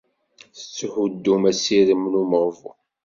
Tetthuddum asirem n umeɣbun.